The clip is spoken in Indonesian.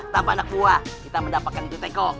tanpa anak buah kita mendapatkan itu teko